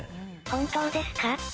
本当ですか？